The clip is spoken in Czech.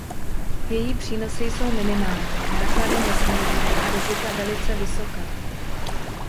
Její přínosy jsou minimální, náklady nesmírné a rizika velice vysoká.